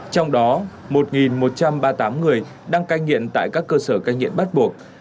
trong đó một một trăm ba mươi tám người đang cai nghiện tại các cơ sở cai nghiện bắt buộc